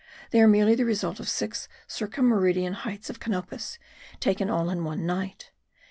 They are merely the result of six circum meridian heights of Canopus, taken all in one night.